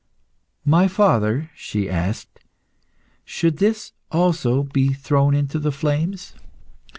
"My father," she asked, "should this also be thrown into the flames?